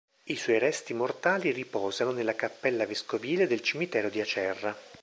I suoi resti mortali riposano nella cappella vescovile del cimitero di Acerra.